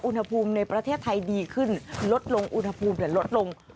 อุณหภูมิในประเทศไทยดีขึ้นลดลงอุณหภูมิลดลง